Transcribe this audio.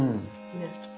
ねっ。